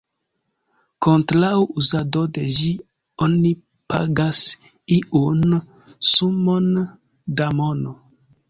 Kontraŭ uzado de ĝi oni pagas iun sumon da mono.